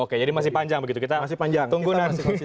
oke jadi masih panjang begitu kita masih tunggu nanti